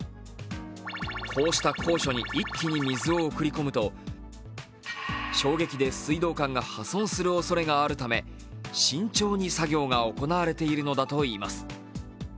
こうした高所に一気に水を送り込むと衝撃で水道管が破損するおそれがあるため慎重に作業が行われているのだといいます。